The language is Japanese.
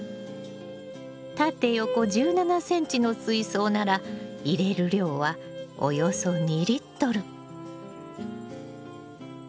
縦横１７ｃｍの水槽なら入れる量はおよそ２。